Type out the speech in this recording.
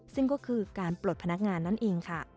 ซึ่งก็คือการปลดพนักงานนั่นเองค่ะ